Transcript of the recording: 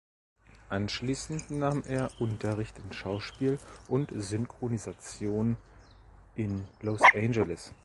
Anschließend nahm er Unterricht in Schauspiel und Synchronisation in Los Angeles.